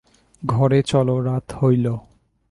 ঘরে চলো, রাত হইল।